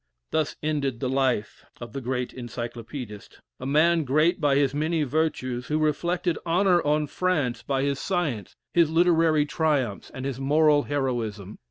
Thus ended the life of the great Encyclopædist a man great by his many virtues who reflected honor on France by his science, his literary triumphs, and his moral heroism.